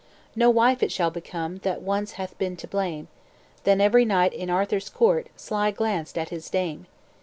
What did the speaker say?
"'No wife it shall become, That once hath been to blame.' Then every knight in Arthur's court Sly glanced at his dame.